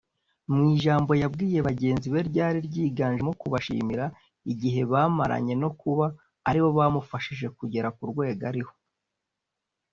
Mu ijambo yabwiye bagenzi be ryari ryiganjemo kubashimira igihe bamaranya no kuba aribo bamufashije kugera ku rwego ariho